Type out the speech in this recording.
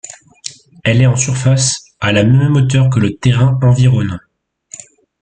Elle est en surface, à la même hauteur que le terrain environnant.